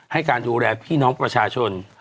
ให้การดูแลพี่น้องประชาชน